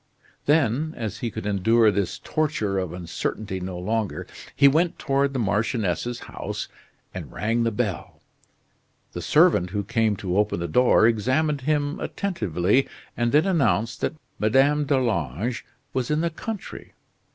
Then, as he could endure this torture of uncertainty no longer, he went toward the marchioness's house and rang the bell. The servant who came to open the door examined him attentively, and then announced that Madame d'Arlange was in the country.